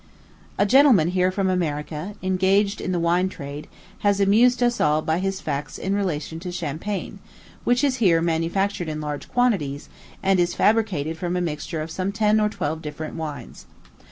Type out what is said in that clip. A gentleman here from America, engaged in the wine trade, has amused us all by his facts in relation to champagne, which is here manufactured in large quantities, and is fabricated from a mixture of some ten or twelve different wines.